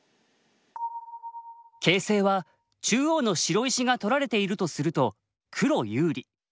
形勢は中央の白石が取られているとすると黒有利。